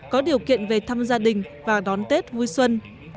có điều kiện về thăm gia đình và đón tết vui xuân